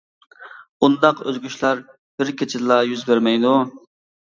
ئۇنداق ئۆزگىرىشلەر بىر كېچىدىلا يۈز بەرمەيدۇ.